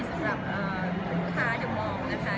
สำหรับลูกค้าเดี๋ยวมองนะคะ